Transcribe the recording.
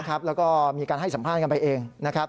แล้วก็มีการให้สัมภาษณ์กันไปเองนะครับ